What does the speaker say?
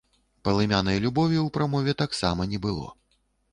Палымянай любові ў прамове таксама не было.